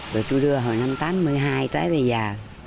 rồi tôi đưa hồi năm tám mươi hai tới bây giờ